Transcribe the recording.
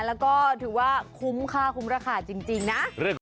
แล้วก็ถือว่าคุ้มค่าคุ้มราคาจริงนะ